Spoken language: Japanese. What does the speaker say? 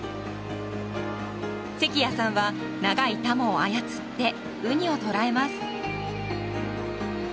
関谷さんは長いタモを操ってウニを捕らえます。